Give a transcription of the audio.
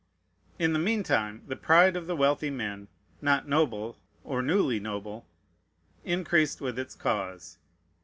In the mean time, the pride of the wealthy men, not noble, or newly noble, increased with its cause.